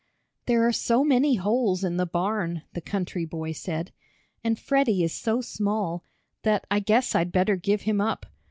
"There are so many holes in the barn," the country boy said, "and Freddie is so small, that I guess I'd better give him up.